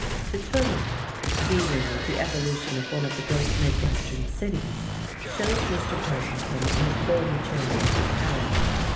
"The Turmoil," dealing with the evolution of one of the great mid western cities, showed Mr. Tarkington in the full maturity of his power.